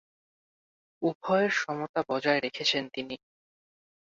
উভয়ের সমতা বজায় রেখেছেন তিনি।